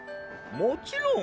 もちろん。